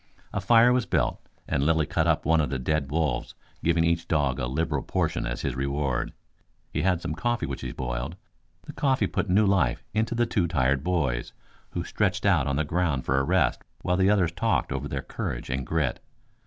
A fire was built, and Lilly cut up one of the dead wolves, giving each dog a liberal portion as his reward. He had some coffee which he boiled. The coffee put new life into the two tired boys, who stretched out on the ground for a rest while the others talked over their courage and grit.